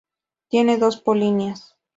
Tiene dos polinias.